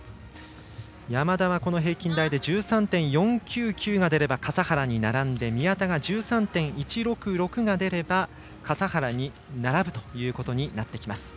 山田は、平均台で１３．４９９が出れば笠原に並んで宮田が１３．１６６が出れば笠原に並ぶということになってきます。